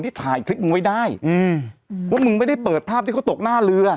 ถ่ายคลิปมึงไว้ได้อืมว่ามึงไม่ได้เปิดภาพที่เขาตกหน้าเรือ